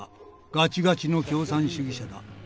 ガチガチの共産主義者だ」。